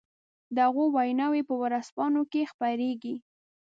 د هغو ويناوې په ورځپانو کې خپرېږي.